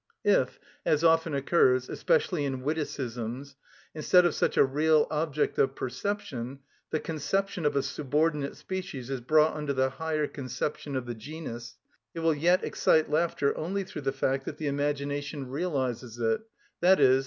If, as often occurs, especially in witticisms, instead of such a real object of perception, the conception of a subordinate species is brought under the higher conception of the genus, it will yet excite laughter only through the fact that the imagination realises it, _i.e.